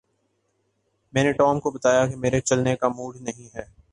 میں نے ٹام کو بتایا میرا چلنے کا موڈ نہیں ہے